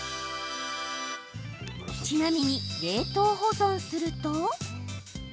ちなみに、冷凍保存すると。